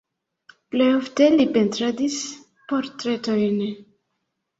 Plej ofte li pentradis portretojn.